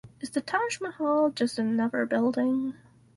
Is the Taj Mahal just another building?